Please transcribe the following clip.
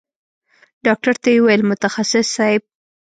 ډاکتر ته يې وويل متخصص صايب.